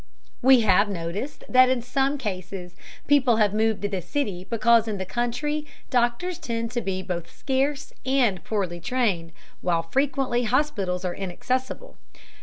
We have noticed that in some cases people have moved to the city because in the country doctors tend to be both scarce and poorly trained, while frequently hospitals are inaccessible.